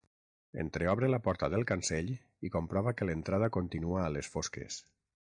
Entreobre la porta del cancell i comprova que l'entrada continua a les fosques.